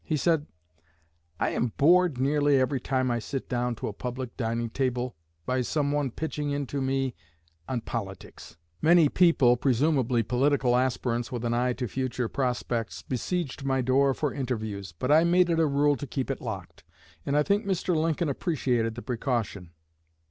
He said, 'I am bored nearly every time I sit down to a public dining table by some one pitching into me on politics.' Many people, presumably political aspirants with an eye to future prospects, besieged my door for interviews, but I made it a rule to keep it locked, and I think Mr. Lincoln appreciated the precaution.